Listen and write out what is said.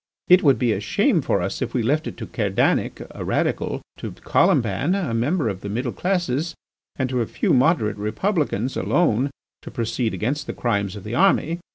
"It would be a shame for us if we left it to Kerdanic, a radical, to Colomban, a member of the middle classes, and to a few moderate Republicans, alone to proceed against the crimes of the army.